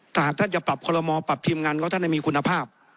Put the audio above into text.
ถ้าหากท่านจะปรับคอลโมปรับทีมงานของท่านให้มีคุณภาพ